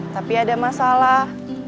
tapi ada masalah